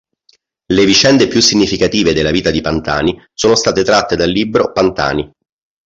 Le vicende più significative della vita di Pantani, sono state tratte dal libro "Pantani.